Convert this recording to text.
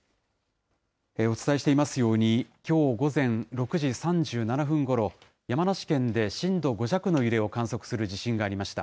お伝えしていますように、きょう午前６時３７分ごろ、山梨県で震度５弱の揺れを観測する地震がありました。